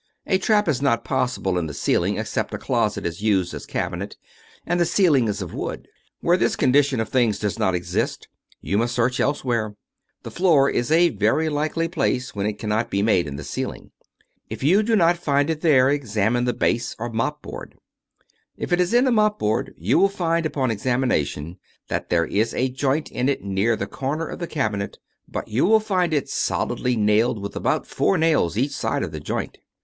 A trap is not possible in the ceiling except a closet is used as '' cabinet," and the ceiling is of wood. Where this condition of things does not exist, you must search elsewhere. The floor is a very likely place when it cannot be made in the ceiling. If you do not find it there, examine the base or mopboard. If it is in the mop board you will find, upon examination, that there is a joint in it near the corner of the cabinet, but you will find it solidly nailed with about four nails each side of the joint.